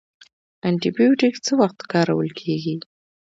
انټي بیوټیک څه وخت کارول کیږي؟